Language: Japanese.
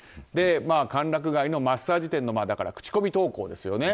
歓楽街のマッサージ店の口コミ投稿ですよね。